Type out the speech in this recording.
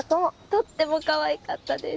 とってもかわいかったです。